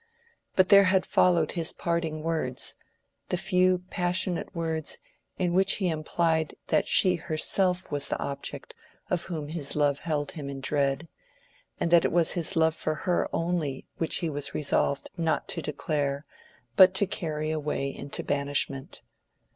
But there had followed his parting words—the few passionate words in which he had implied that she herself was the object of whom his love held him in dread, that it was his love for her only which he was resolved not to declare but to carry away into banishment.